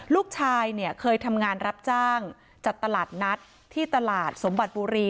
ลูกชายเนี่ยเคยทำงานรับจ้างจัดตลาดนัดที่ตลาดสมบัติบุรี